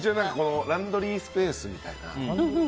ランドリースペースみたいな。